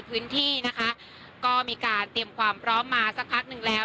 พื้นที่นะคะก็มีการเตรียมความพร้อมมาสักพักหนึ่งแล้ว